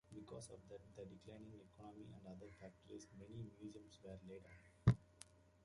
Because of that, the declining economy, and other factors, many musicians were laid off.